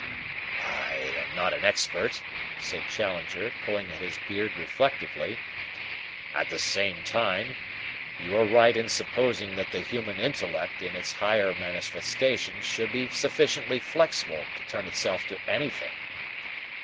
"I am not an expert," said Challenger, pulling at his beard reflectively. "At the same time, you are right in supposing that the human intellect in its higher manifestations should be sufficiently flexible to turn itself to anything.